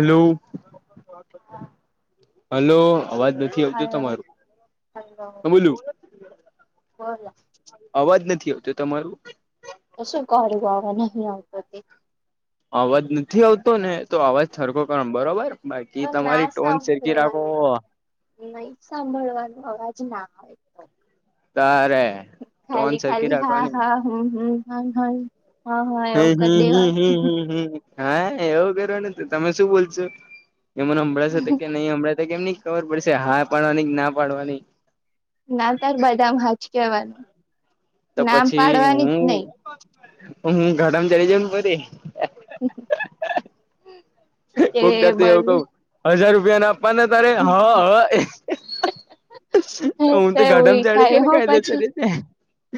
Hello hello અવાજ નથી નથી આવતું હલો તમારું હલો બોલો. બોલો અવાજ નથી આવતો તમારું. તો શું કરું? આ નહીં આવતો. અવાજ નથી આવતો ને. તો અવાજ સરકો કર બરોબર. તો બાકી ના તમારી ટોન શેરકી રાખો. સાંભળવાનું નહી સાંભળવાનો અવાજ ના આવે તો. ત્યારે ખાલી ખાલી હા હા હમ હમ હ હા હા એવું હમ કરી હમ દેવાનું હમ હમ હમ હા એવું કરેને તો તમે શું બોલશો એ મને હમણાં હાંભડસે કે નહી હમભડાસે તે કેમ ની ખબર પડશે. હા પાડવાની કે ના પાડવાની ના તાર બધા ભાચકિય વન તો પછી હું, નહી હું ગરમ થઈ જામ ફરી. [inaudible] તે કોકડર તો એવું. બધું કઉ હજાર રૂપિયા ના આપવાના તારે હા. હું તો એવું ઘટમચાડી થાય કરે હો કાયદ પછી તરીકે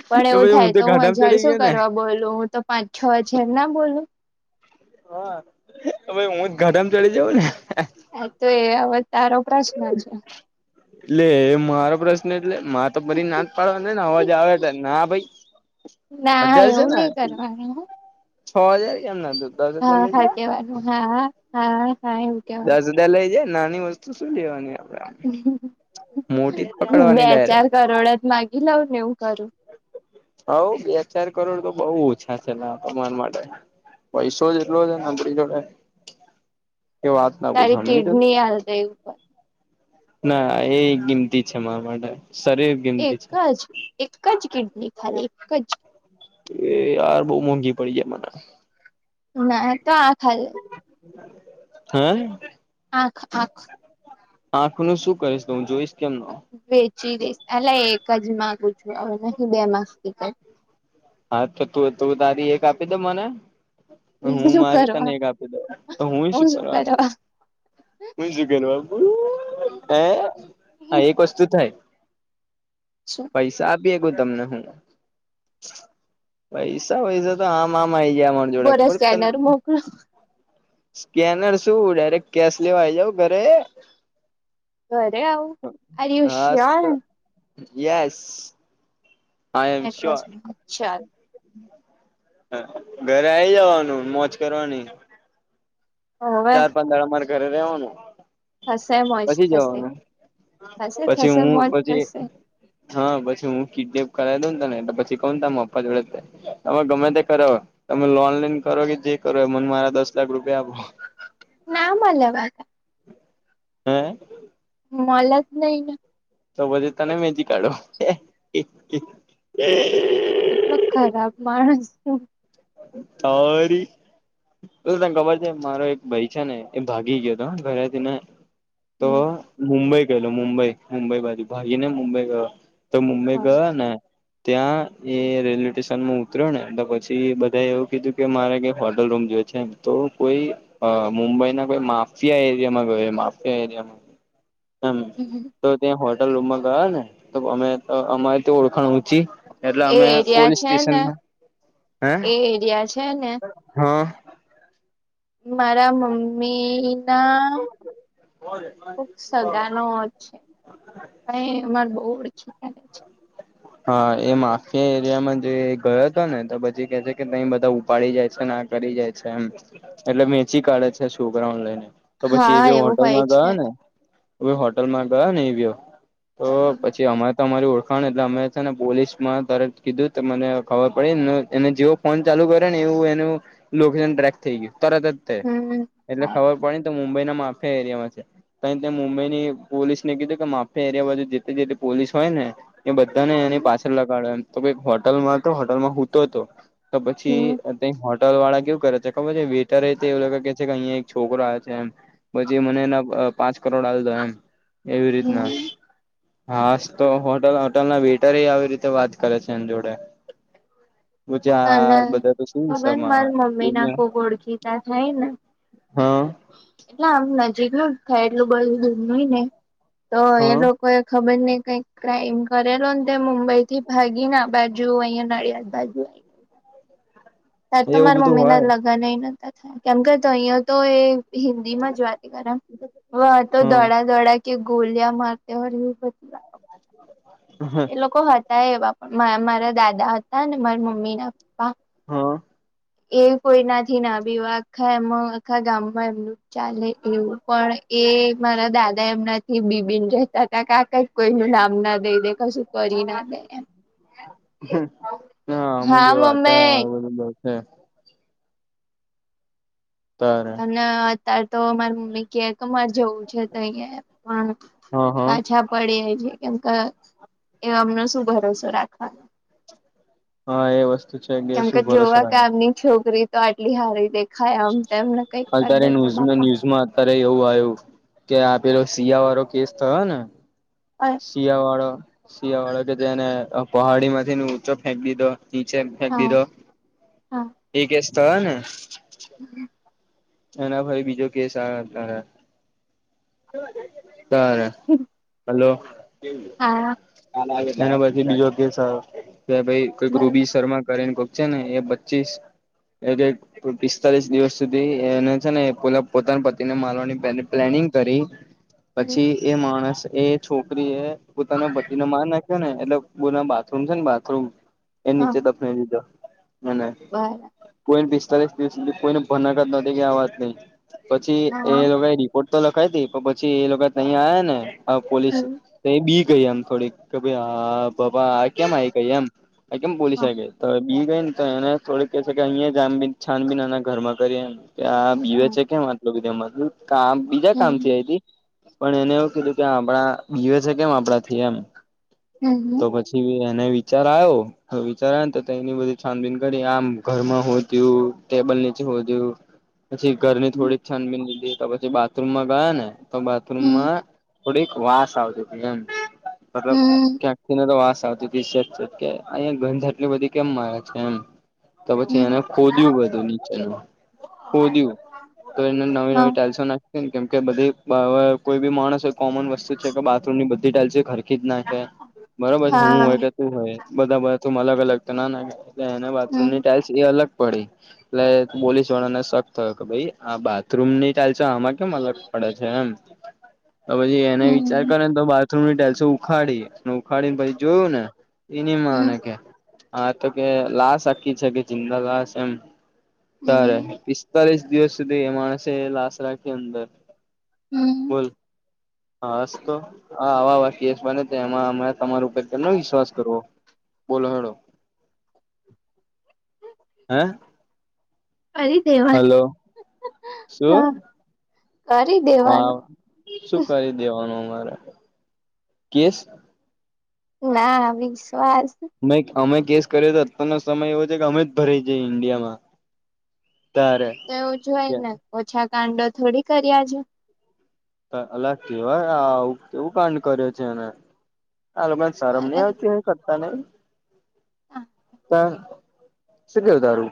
પણ એવું થાય તો, હું હજારસો શું ને કરવા બોલું હું તો પાંચ છ હજાર ના બોલું હા ભાઈ હું જ ગાડામાં ચલી જઉ ને. હ તો એ હવે તારો પ્રશ્ન છે. એટલે મારો પ્રશ્ન એટલે, મા તો પરી ના પાડવાનો ને અવાજ આવે ના ભાઈ. ના હજાર છે એવું ને નહી કરવાનું. છ હજાર કેમ ના કઉ હા હા કેવાનું હા હા હા એવુ દસ હજાર લઈ જાય. નાની વસ્તુ શું લેવાની? આપડે આમ મોટી જ હ બે પકડવાની ચાર ડાયરેક્ટ કરોડત માગી લઉ ને એવું કરું. હ બે ચાર કરોડ તો બઉ ઓછા છે. તમારા માટે પૈસો જ એટલો છે ને આપડી જોડે કે વાત ના પુછો હમજી તું? કે આલ દેવ ઉપર. ના, એ કિંમતી છે મારા માટે. શરી એક જ એક જ કિડની ખાલી એક જ. એ યાર બઉં મોંઘી પડી જાય મન. નઈ તો આંખ આલ. હેં? આંખ આંખ. આંખ નું શું કરીશ તો હું જોઈશ કેમનો? વેચી દઈશ. અલા એક જ માગુ છું હવે નહી બે માંગતી કઈ. હા, તો તુંએ તું તારી એક આપી દે મને. હું શું મારી તને કરવા એક આપી દઉ. તો હુંય શું કરવા આપ હુંય શું કરવા આપુ. હેં? હા એક વસ્તુ થાય. અચ્છા. પૈસા આપી હકું તમને હું પૈસા વૈસા તો આમ આમ આઇ જાય મોર ઉભો જોડે રે ખબર છ તન? સ્કેનર મોકલો સ્કેનર શું ડાયરેક્ટ કેશ લેવા આઇ જાવ ઘરે. ઘરે આવું આર યુ શ્યોર હાસ્તો. Yes. I am address sure. મોકલ ઘરે આઈ જવાનું મોજ કરવાની. હવે ચાર પાંચ દાડા મારે ઘરે રેવાનું. થશે મોજ પછી થશે જવાનું. થશે પછી થશે હું મોજ પછી થશે હાન પછી હું કિડનેપ કરાવ દઉ ને તને એટલે પછી કઉ ને તારા અપ્પા જોડે તમે ગમે તે કરો તમે લોન લઈન કરો કે જે કરો એ મને મારા દસ લાખ રૂપિયા આપો. ના મલે ભાઈ. હેં? મલે જ નઇ ને. તો પછી તને વેચી કાઢું. કેટલો ખરાબ માણસ છું. તો વરી! ઓ તને ખબર છે મારો એક ભાઈ છે ને એ ભાગી ગ્યો તો હન ઘરેથી ને તો મુંબઈ ગયલો મુંબઈ. મુંબઈબાજુ ભાગીને મુંબઈ ગયો. તો મુંબઈ ગયો ને ત્યાં એ રેલવે ટેશનમાં ઉતર્યોને એટલે પછી બ ત્યાં એવું કીધું કે મારે કઈ હોટલ રૂમ જોયે છે એમ તો કોઈ અઅ મુંબઈના કોઈ માફિયા એરિયામાં ગયો એ માફિયા એરિયામાં એમ તો ત્યાં હોટલ રૂમમાં ગયો ને તો અમે તો અમારી તો ઓળખાણ ઊંચી એટલે એ અમે એરિયા પોલીસ છે ને, સ્ટેશનમાં એ એરિયા છે ને હન. મારા મમ્મી ના કોક સગાનો જ તઈ અમારે બોવ ઓળખીતા છે. હા એ માફિયા એરિયામાં જે ગયો તો ને તો પછી કે છે કે તઈ બધા ઉપાડી જાય છે ન આ કરી જાય છે એમ. એટલે વેચી કાઢે છે છોકરાઓન લઈને. તો પછી હા એવે એવું હોય હોટેલમાં છે ગયો ને તો પહી હોટલમાં ગયો ને એવયો તો પછી અમાર તમારી ઓળખાણ એટલે અમે છે ને પોલીસમાં તરત કીધું તો મને ખબર પડીને એને જેઓ ફોન ચાલુ કર્યો ને એવું એનું લોકેશન ટ્રેક થઈ ગીયું તરત જ તે હમ એટલે થાય ખબર પડી ને તો મુંબઈ ના માફિયા એરિયામાં છે. તઇ ત્યાં મુંબઈ ની પોલીસ ને કીધું કે માફિયા એરિયા બાજુ જેતે જેતે પોલીસ હોય ને એ બધાને એની પાછળ લગાડો એમ તો કઈક હોટલમાં તો હોટલમાં હુંતો તો તો પછી હમ તો એ હોટલ વાળા કેવું કરે છે ખબર છે વેટર તો એ લોકો કે છે કે અઇયા એક છોકરો આયો છે એમ પછી મને એના અ પાંચ કરોડ આલ દો એમ એવી રીતના હમ હાસ તો હોટલ હોટલ ના વેટરેય આવી રીતે વાત કરે છે એન જોડે તને ખબર માર [unintelligible] મમ્મી ના ખુબ ઓળખીતા થાય ને દુનિયા હા એટલે આમ નજીક હ થાયેલું બધુ [unintelligible] ની ને તો એ હા લોકો એ ખબર ની કઈક ક્રાઈમ કરેલોને તે મુંબઈ થી ભાગી ને આ બાજુ અહિયાં નડિયાદ બાજુ ત્યારે તો એવું મારા બધું મમ્મી ના હોય લગનેય નતા થયા કેમ કે તયા તો એ હિન્દી માં જ વાત કરે હુ હોત તો હા દોડા દોડા કે ગોલિયા મારતા [unintelligible] [unintelligible] [unintelligible] મારા દાદા હતા ને મારા મમ્મી ના પપ્પા હા એ કોઈ ના થી ના બિવાય આખા એમાં આખા ગામમાં એમનું ચાલે એવું પણ એ મારા દાદા એમનાથી બીબીન રહેતા હતા કાકા [unintelligible] કોઈ નુ નામ ના દઈ દે કશું કરી ના દે એમ [unintelligible] હમુગ હા એવા હતા મમ્મી હે તાર ન અત્યારે તો મારી મમ્મી ક્યાક મારે જવું છે તો અહીંયા પણ હા હા પાછા પડીયા કેમ કે એ અમનો શું ભરોસો રાખવાનો હા એ વસ્ત કેમ કે જોવા કે ગામની છોકરી તો આટલી હારી દેખાય આમ તેમને કંઈક કરી દે તો બાપા અરે એવું આવ્યું કે આપ પેલો શિયા વાળો કેસ થયો ને [inaudible] શિયા વાળો શિયા વાળો કે જેને પહાડી માંથી નીચો ફેંકી દીધો નીચે ફેંક હા દીધો હા એ કેસ થયો ને [inaudible] એના પઈ બીજો કેસ આયો અત્યારે [unintelligible] [unintelligible] હલો હા [unintelligible] એના પછી બીજો કેસ આયો કે ભાઈ કોઈક રૂબી શર્મા કરી ને કો છે ને એ પચીસ એ પિસ્તાલીસ દિવસ સુધી એને છે ને પેલા પોતાના પતિને મારવાની પ્લા પ્લાનિંગ કરી બરાબર પછી એ માણસ એ છોકરી એ પોતાના પતિને માર નાખ ને એટલે બુના બાથરૂમ છે ને બાથરૂમ એન નીચે હા દફનાઈ દીધો. અને બરા કોઈ પિસ્તાલીસ દિવસ સુધી કોઈને ભનક જ નતી કે આ વાત નઈ. પછી હા એ લોકો એ રિપોર્ટ તો લખાઈતી પણ પછી એ લોકો તહીંયા આવયા ને પોલીસ હમ તો એ બી ગઈ આમ થોડીક કે ભાઈ હા બાપા આ કેમ આ ગઈ એમ આ કેમ પોલિશ હા આઈ બી ગઈ ને તો એને થોડીક કેહે છે કે અહીંયા જાનબીન છાનબીન એના ઘરમાં કરિયે. જે આ બીવે હા છે કેમ આટલું બધું આમ આટલું કામ બીજા કામ થી હમ આયતી. પણ એને એવું કીધું કે આપણા બીવે છે કેમ આપડાથી એમ. હમ્મ હમ્મ. તો પછી એને વિચાર આયો. તો વિચાર આયો ને તો એની બધી છાનબીન કરી આમ ઘર માં હોધ્યું ટેબલ નીચે હોધ્યું. પછી ઘરની થોડીક છાનબીન લીધી તો પછી બાથરૂમમાં ગયા ને તો હમ બાથરૂમમાં થોડીક વાસ આવતી હતી એમ મતલબ હમ ક્યાક તેને તો વાસ આવતી તી એક જ જગ્યા એ અહીંયા ગંધ આટલી બધી કેમ મારે છે એમ. તો પછી એને હમ ખોદ્યું બધું નીચેનું. ખોડ્યું તો એને હા નવી-નવી ટાઇલશો નાખ કેમ કે બધી બ હવે કોઈ બી માણસ એ કોમન વસ્તુ છે કે બાથરૂમ ની બધી ટાઇલશો એખરખી હરખી જ નાખે બરોબર છે હું હા હોય કે તું હોય બધા બાથરૂમ અલગ-અલગ તો ના નાખે. એને એના બાથરૂમ હમ ની ટાઇલ્સ એ અલગ પડી એટલે પોલીસવાળાને શક તો કે ભાઈ આ બાથરૂમ ની ટાઇલશો આમાં કેમ અલગ પડે છે એમ. તો પછી એને વિચાર હમ કર્યો ને તો બાથરૂમની ટાઇલશો ઉખાડી ને ઉખાડીને પછી જોયું ને. એની માને હમ કે હા તો કે લાશ આખી છે કે જિંદા લાશ એમ. તારે હમ પિસ્તાલીસ દિવસ સુધી એ માણસે લાશ રાખી અંદર. હમ બોલ હાસ્તો. આ આવા-આવા કેસ બને તો એમાં અમે તમારા ઉપર કેમનો વિશ્વાસ કરવો બોલો હેડો. [inaudible] હે? અરે. હલો શું? કરી દે. હા શું કરી દેવાનું અમારે કેસ? ના વિશ્વાસ. નઈ અમે કેસ કરીયો તો અત્યારનો સમય એવો છે કે અમે જ ભરાઈ જઈએ ઇન્ડિયામાં. તો એવું હોય ને ઓછા કાંડો થોડી કર્યા છે. અ અલા કેવા આ આવુ કેવું કાંડ કર્યો છે એને આ લોકોને શરમ નઈ આવતી હોય. કરતા નહી. હા. શું કેવું તારું?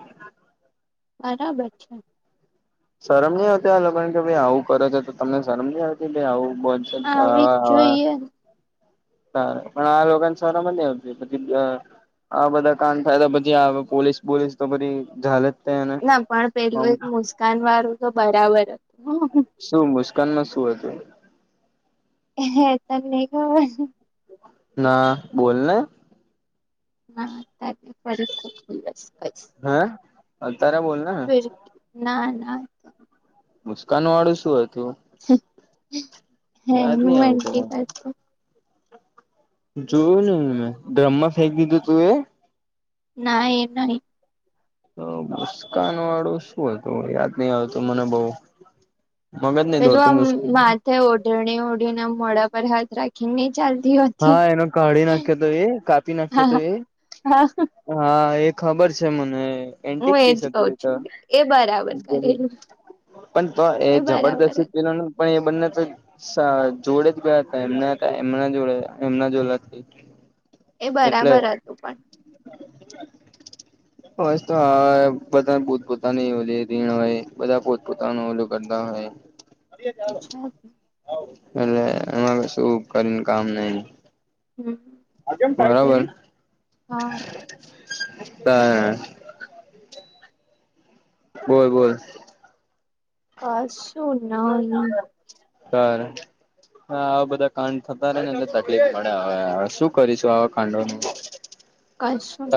બરાબર છે. શરમ નહી આવતી આ લોકોને કે ભાઈ આવું કરે છે તો તમને શરમ નહી આવતી ભાઈ આવી જ આવું. જોઈએ. [unintelligible] સારુ પણ આ લોને સરમજ નઈ આવતી પછી અ આ બધા કાંડ થાય તો પછી આવે પોલીસ બોલીસ તો બધી જાલે જ. ના પણ પેલું એક મુસ્કાન વાળું તો બરાબર હતું. શું મુસ્કાનમાં શું હતું? હે તને નઈ ખબર. ના, બોલને! ના, ફરી કોઈ દિવસ કહીશ. હા... તારે બોલ! ના ના. મુસ્કાાન વાળું શું હતું? હે હ યાદ નહી એન્ટ આવતું [inaudible] જોયું ને મેં ડ્રમમાં ફેંકી દીધું તું એ? ના એ નહીં. તો મુસ્કાન વાળું શું હતું? યાદ નહી આવતું મને બઉ. મગજ નહીં દોડતું. તે ઓઢણી ઓઢી ને મોઢા પર હાથ રાખીને. ચાલતી હતી. હા એનો કાઢી નાખ્યો તો એ કાપી હા નાખ્યો હ તો એ હા હા.... હા એ ખબર છે મને હું એન્ટિક એજ પીસ કઉ હતું એ તો... છું એ બરાબર કરેલું પણ તો એ બરાબર જબરદસ્તી હતું પેલા... પણ એ બંને તો જોડે જ ગયા હતા. એમના હતા, એમના જોડે. એમના જોલા થાય. એ બરાબર હતું પણ, બસ તો હા, બધા પોતપોતાની ઓ રીણ હોય. બધા પોતપોતાનો ઓલુ કરતા હોય. [inaudible] છે એટલે એમાં શું કરી? ને કામ નઈ. હમ. બરાબર. હા. હા બસ... બોલ બોલ. કશું નહી. કર. હા આવા બધા કાંડ થતા રે! ને એમને તકલીફ પડે. હવે શું કરીશું આવા કાંડોનું? [inaudible]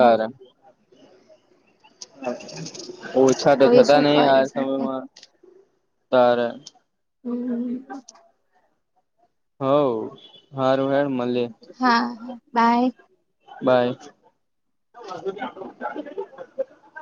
નહી ઓછા તો કોઈ થતા શું નહિ. કરી આ શકે સમયમાં તારે. હમ. હ હારું હેંડ મળીએ. હા હા બાય. બાય.